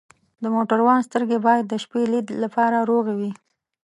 د موټروان سترګې باید د شپې لید لپاره روغې وي.